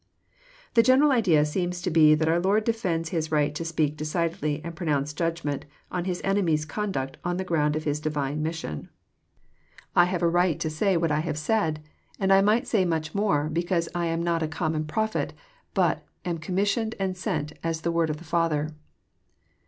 The general idea seems to be that our Lord defends His right to speak decidedly and pronounce Judgment on His enemies' conduct on the ground of His divine mission. '* I have a right JOHN, CHAP. vni. 97 to say what I have said ; and I might say mach more, becanso I am not a common prophet, but am commissioned and sent as the Word of the Father."